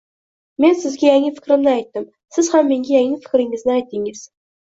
Men sizga yangi fikrimni aytdim. Siz ham menga yangi fikringizni aytdingiz.